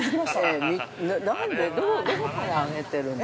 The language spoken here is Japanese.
何で、どこからあげているの。